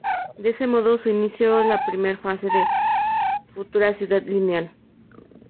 De ese modo se inició la primera fase de la futura Ciudad Lineal.